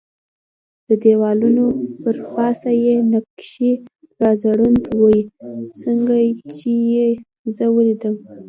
د دېوالونو پر پاسه یې نقشې را ځوړندې وې، څنګه چې یې زه ولیدلم.